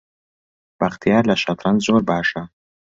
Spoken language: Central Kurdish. بەختیار لە شەترەنج زۆر باشە.